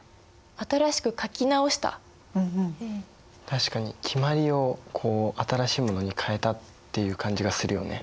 確かに決まりをこう新しいものに変えたっていう感じがするよね。